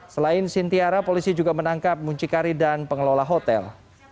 selain sintiara polisi juga menangkap muncikari dan pengelola hotel